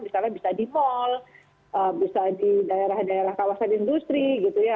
misalnya bisa di mal bisa di daerah daerah kawasan industri gitu ya